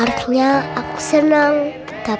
diupi nendingnya sekarang juga